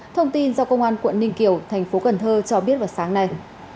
thông tin do công an quận ninh kiều thành phố cần thơ cho biết vào sáng nay